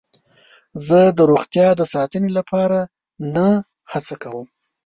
زه د روغتیا د ساتنې لپاره نه هڅه کوم.